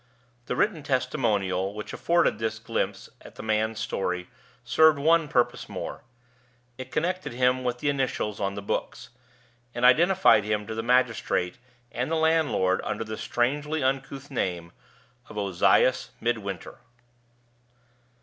The written testimonial which afforded this glimpse at the man's story served one purpose more: it connected him with the initials on the books, and identified him to the magistrate and the landlord under the strangely uncouth name of Ozias Midwinter.